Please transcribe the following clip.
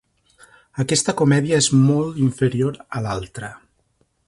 Aquesta comèdia és molt inferior a l'altra.